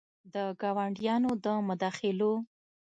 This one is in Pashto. د ګاونډیانو د مداخلو